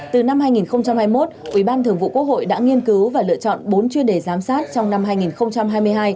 từ năm hai nghìn hai mươi một ủy ban thường vụ quốc hội đã nghiên cứu và lựa chọn bốn chuyên đề giám sát trong năm hai nghìn hai mươi hai